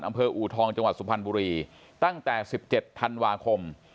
อูทองจังหวัดสุพรรณบุรีตั้งแต่๑๗ธันวาคม